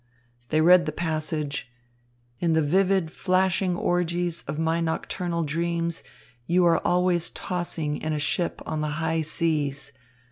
They read the passage, "In the vivid, flashing orgies of my nocturnal dreams, you are always tossing in a ship on the high seas.